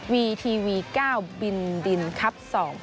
วีทีวี๙บินดินคลับ๒๐๑๗